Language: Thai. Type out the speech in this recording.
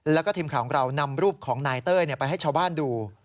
แล้วก็ทีมข่าวของเรานำรูปของนายเต้ยไปให้ชาวบ้านดู